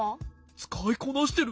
つかいこなしてる。